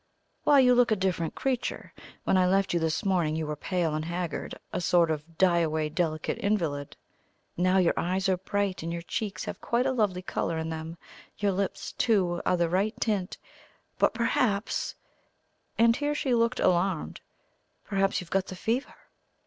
"Why, you look a different creature. When I left you this morning you were pale and haggard, a sort of die away delicate invalid; now your eyes are bright; and your cheeks have quite a lovely colour in them; your lips, too, are the right tint. But perhaps," and here she looked alarmed "perhaps you've got the fever?"